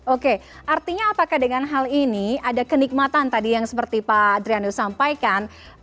oke artinya apakah dengan hal ini ada kenikmatan tadi yang seperti pak adrianus sampaikan